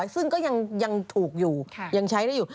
ซึ่งก็ยังถูกอยู่ยังใช้ได้อยู่